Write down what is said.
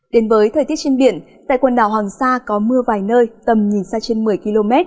đến với thời tiết trên biển tại quần đảo hoàng sa có mưa vài nơi tầm nhìn xa trên một mươi km